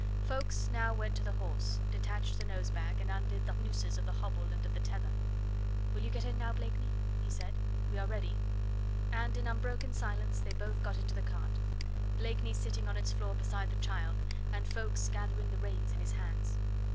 Ffoulkes now went to the horse, detached the nose bag, and undid the nooses of the hobble and of the tether. "Will you get in now, Blakeney?" he said; "we are ready." And in unbroken silence they both got into the cart; Blakeney sitting on its floor beside the child, and Ffoulkes gathering the reins in his hands.